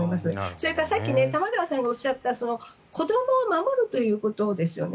それからさっき玉川さんがおっしゃった子どもを守るということですよね。